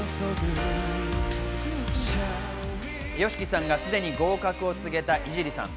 ＹＯＳＨＩＫＩさんがすでに合格を告げたい井尻さん。